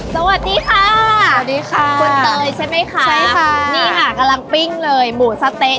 สวัสดีค่ะคุณเตยใช่ไหมคะนี่ค่ะกำลังปิ้งเลยหมูสะเต๊ะ